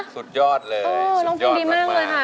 สุดยอดเลยมาก